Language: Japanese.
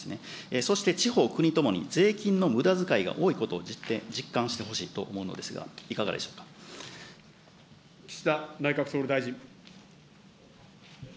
そして地方、国ともに税金のむだづかいが多いことを実感してほしいと思うので岸田内閣総理大臣。